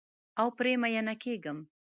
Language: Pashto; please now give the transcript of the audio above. او پر میینه کیږم